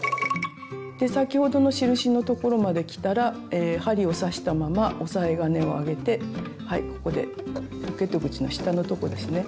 で先ほどの印のところまできたら針を刺したまま押さえ金を上げてはいここでポケット口の下のとこですね。